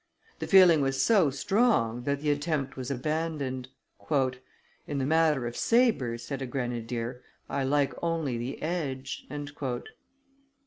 The feeling was so strong, that the attempt was abandoned. "In the matter of sabres," said a grenadier, "I like only the edge."